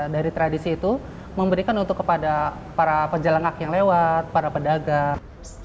dari tradisi itu memberikan untuk kepada para penjelengak yang lewat para pedagang